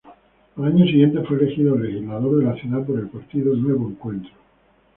Al año siguiente fue elegido legislador de la ciudad por el partido Nuevo Encuentro.